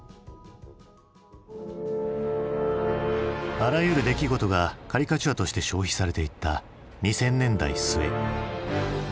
あらゆる出来事がカリカチュアとして消費されていった２０００年代末。